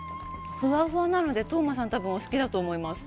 ふわふわなので、當真さん、多分お好きだと思います。